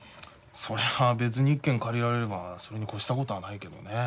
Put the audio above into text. そりゃ別に一軒借りられればそれに越したことはないけどね。